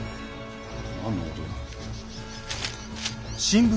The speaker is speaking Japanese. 何の事だ？